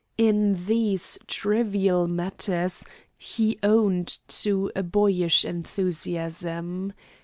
In these trivial matters he owned to a boyish enthusiasm.